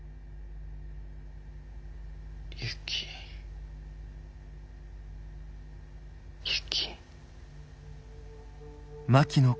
ユキ。